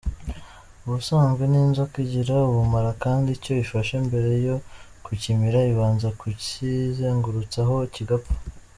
Ubusanzwe ni inzoka igira ubumara kandi icyo ifashe mbere yo kukimira ibanza kukizengurutsaho, kigapfa.